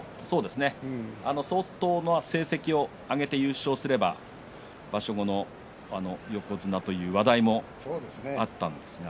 相当な成績を挙げて優勝すれば場所後も横綱という話題もあったんですが。